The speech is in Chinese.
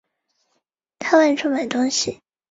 治所约在今越南乂安省南坛县境内。